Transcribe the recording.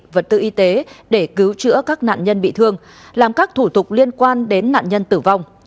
vật tư y tế để cứu chữa các nạn nhân bị thương làm các thủ tục liên quan đến nạn nhân tử vong